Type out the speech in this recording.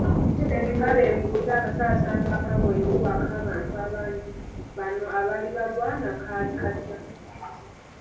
Kale mbuulira akasaasaano akaagwa ewuwo ak’abantu abangi bano abaali balwana; kaali katya?